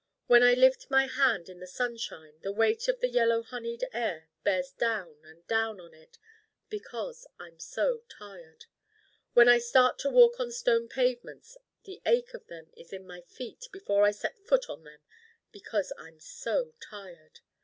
When I lift my hand in the sunshine the weight of the yellow honeyed air bears down and down on it because I'm so Tired. When I start to walk on stone pavements the ache of them is in my feet before I set a foot on them because I'm so Tired.